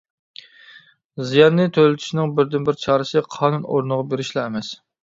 زىياننى تۆلىتىشنىڭ بىردىن بىر چارىسى قانۇن ئورنىغا بېرىشلا ئەمەس.